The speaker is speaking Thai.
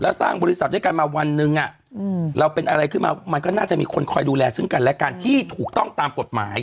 สร้างบริษัทด้วยกันมาวันหนึ่งเราเป็นอะไรขึ้นมามันก็น่าจะมีคนคอยดูแลซึ่งกันและกันที่ถูกต้องตามกฎหมาย